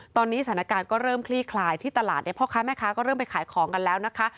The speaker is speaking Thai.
ตอนนี้สถานการณ์ก็เริ่มคลี่คลายที่ตลาดเนี่ยพ่อค้าแม่ค้าก็เริ่มไปขายของกันแล้วนะคะ